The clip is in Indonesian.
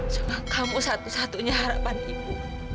sebab kamu satu satunya harapan ibu